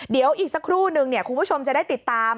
เดี๋ยวอีกสักครู่นึงคุณผู้ชมจะได้ติดตาม